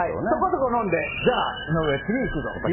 そこそこ飲んで、じゃあ、井上、次行くぞ。